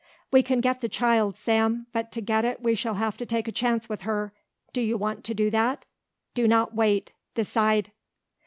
"We can get the child, Sam, but to get it we shall have to take a chance with her. Do you want to do that? Do not wait. Decide."